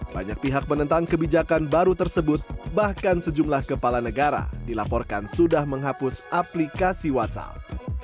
banyak pihak menentang kebijakan baru tersebut bahkan sejumlah kepala negara dilaporkan sudah menghapus aplikasi whatsapp